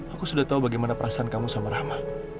aku sudah tahu bagaimana perasaan kamu sama rahma